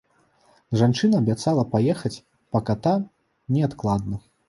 Жанчына абяцала паехаць па ката неадкладна.